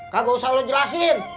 gak usah lo jelasin